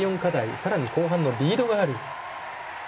さらに後半のリードがある。